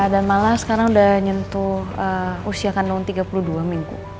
dan malah sekarang udah nyentuh usia kandung tiga puluh dua minggu